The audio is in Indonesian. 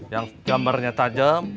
yang gambarnya tajem